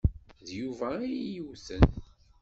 D Yuba ay iyi-yewten.